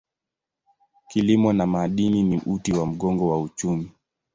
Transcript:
Kilimo na madini ni uti wa mgongo wa uchumi.